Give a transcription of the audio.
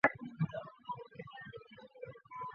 课程与打工是增加艺人大部分能力的方法。